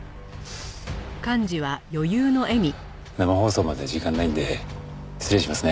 生放送まで時間ないんで失礼しますね。